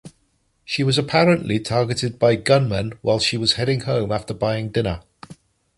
She was apparently targeted by gunmen while she was heading home after buying dinner.